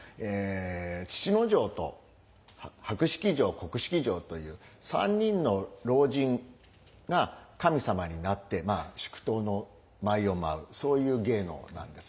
父尉と白式尉と黒式尉という３人の老人が神様になって祝の舞を舞うそういう芸能なんですね。